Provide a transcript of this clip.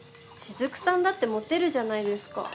雫さんだってモテるじゃないですか。